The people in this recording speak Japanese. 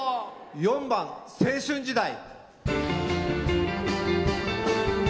４番「青春時代」。